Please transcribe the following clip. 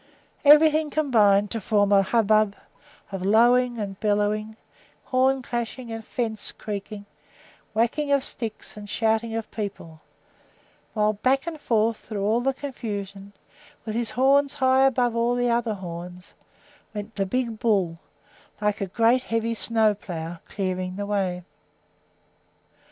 Everything combined to form a hubbub of lowing and bellowing, horn clashing and fence creaking, whacking of sticks and shouting of people; while back and forth through all the confusion, with his horns high above all the other horns, went the big bull, like a great heavy snowplow, clearing the way.